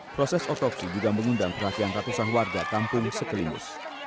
proses otopsi juga mengundang perhatian ratusan warga kampung sekelilingus